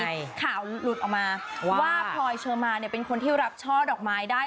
ใช่ข่าวหลุดออกมาว่าพลอยเชอร์มาเนี่ยเป็นคนที่รับช่อดอกไม้ได้